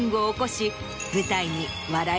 舞台に。